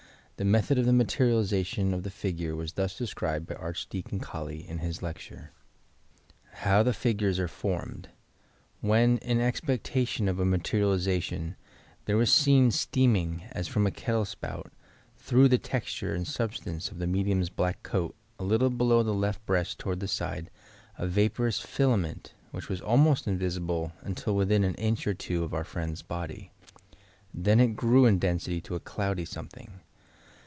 The method of the materialization of the figure was thus described by Arch deacon Colley in his lecture: — HOW THE FIGURES ABE FORMED "When, in expectation of a materialization, .., there was seen steaming as from a kettle spout through the testure and substance of the medium's black coat a little below the left breast toward the side, a vaporous Qla ment which was almost invisible until within an inch or two of our friend's body. Then it grew in density to a cloudy something.